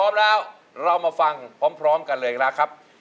มาเลยครับ